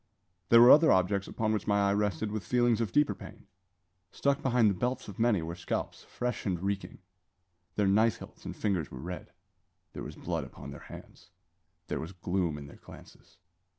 There were other objects upon which my eye rested with feelings of deeper pain. Stuck behind the belts of many were scalps, fresh and reeking. Their knife hilts and fingers were red; there was blood upon their hands; there was gloom in their glances.